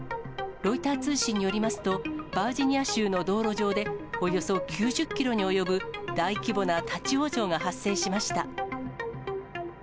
ロイター通信によりますと、バージニア州の道路上でおよそ９０キロに及ぶ大規模な立往生が発生しました。